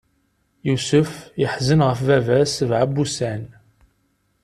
Yusef iḥzen ɣef baba-s sebɛa n wussan.